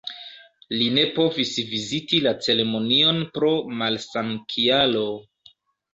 Li ne povis viziti la ceremonion pro malsan-kialo.